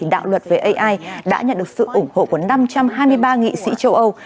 đạo luật về ai đã nhận được sự ủng hộ của năm trăm hai mươi ba nghị sĩ châu âu